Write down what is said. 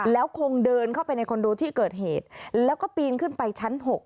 แล้วคงเดินเข้าไปในคอนโดที่เกิดเหตุแล้วก็ปีนขึ้นไปชั้น๖